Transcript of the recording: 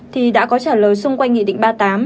thì đã có trả lời xung quanh nghị định ba mươi tám